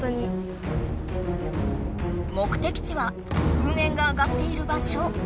目的地はふんえんが上がっている場所。